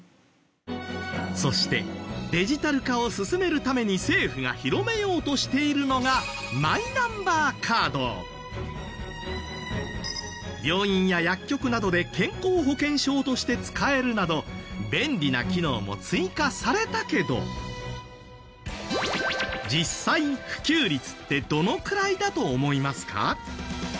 そしてデジタル化を進めるために政府が広めようとしているのが病院や薬局などで健康保険証として使えるなど便利な機能も追加されたけど実際普及率ってどのくらいだと思いますか？